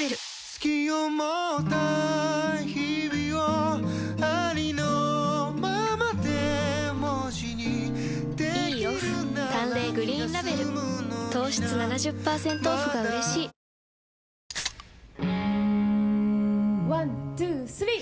“好き”を持った日々をありのままで文字にできるならいいオフ「淡麗グリーンラベル」気が済むのにな糖質７０％オフがうれしいワン・ツー・スリー！